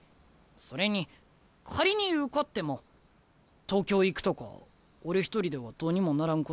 それに仮に受かっても東京行くとか俺一人ではどうにもならんことやし。